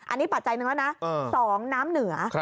อันนี้ปัจจัยหนึ่งแล้วนะ๒น้ำเหนือ